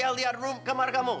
ini adalah kamar kamu